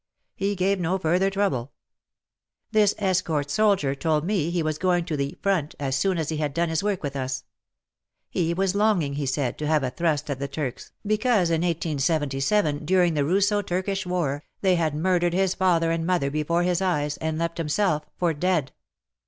He gave no further trouble. This escort soldier told me he was going "to the front" as soon as he had done his work with us. He was longing, he said, to have a thrust at the Turks, because in 1877, during the Russo Turkish War, they had murdered his father and mother before his eyes and left himself for dead.